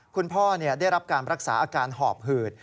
คุณพ่อได้รับการรักษาอาการหอบหืด